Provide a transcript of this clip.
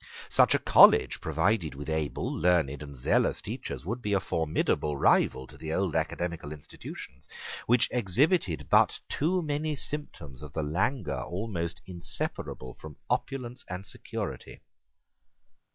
Such a college, provided with able, learned, and zealous teachers, would be a formidable rival to the old academical institutions, which exhibited but too many symptoms of the languor almost inseparable from opulence and security.